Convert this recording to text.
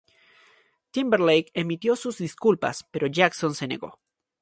Timberlake emitió sus disculpas, pero Jackson se negó.